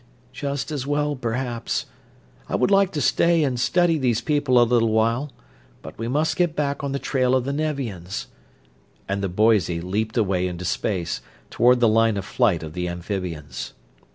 "Just as well, perhaps. I would like to stay and study these people a little while, but we must get back on the trail of the Nevians," and the Boise leaped away into space, toward the line of flight of the amphibians.